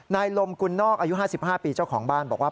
นายลมกุลนอกอายุ๕๕ปีเจ้าของบ้านบอกว่า